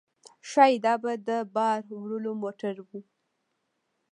ښايي دا به د بار وړلو موټر و.